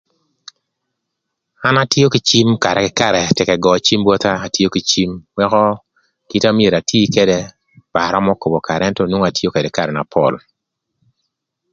An atio kï cïm karë kï karë tëk ëgö cïm botha ëka atio kï cïm wëkö kita myero atï ködë ba aromo akobo kara nwongo atio ködë karë na pol.